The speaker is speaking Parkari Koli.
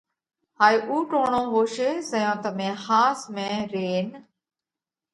هائي اُو ٽوڻو هوشي زئيون تمي ۿاس ۾ رينَ